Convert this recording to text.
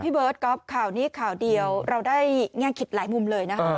เบิร์ตก๊อฟข่าวนี้ข่าวเดียวเราได้แง่คิดหลายมุมเลยนะคะ